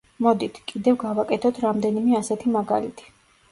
მოდით, კიდევ გავაკეთოთ რამდენიმე ასეთი მაგალითი.